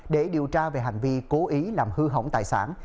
để điều tra về hành vi cố ý làm hư hỏng tài sản